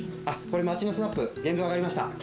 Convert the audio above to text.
「あっこれ町のスナップ現像上がりました」